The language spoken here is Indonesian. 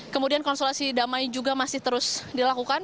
kemudian konsolasi damai juga masih terus dilakukan